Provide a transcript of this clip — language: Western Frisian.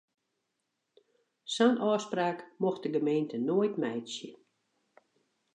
Sa'n ôfspraak mocht de gemeente noait meitsje.